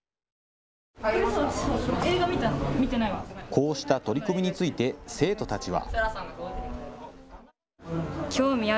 こうした取り組みについて生徒たちは。